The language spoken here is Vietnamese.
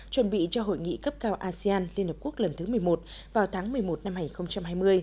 chuẩn bị cho hội nghị cấp cao asean liên hợp quốc lần thứ một mươi một vào tháng một mươi một năm hai nghìn hai mươi